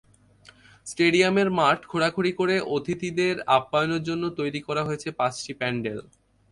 স্টেডিয়ামের মাঠ খোঁড়াখুঁড়ি করে অতিথিদের আপ্যায়নের জন্য তৈরি করা হয়েছে পাঁচটি প্যান্ডেল।